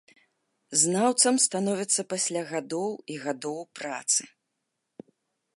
Знаўцам становяцца пасля гадоў і гадоў працы.